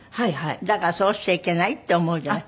だからそうしちゃいけないって思うんじゃない？